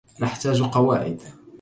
نحتاج قواعد!